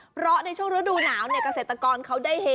เพราะในช่วงฤดูหนาวเกษตรกรเขาได้เฮ